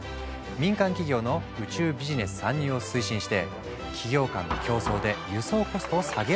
民間企業の宇宙ビジネス参入を推進して企業間の競争で輸送コストを下げようとしたんだ。